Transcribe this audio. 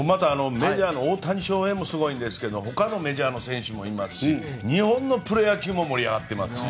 メジャーの大谷翔平もすごいんですがほかのメジャーの選手も今日本のプロ野球も盛り上がってます。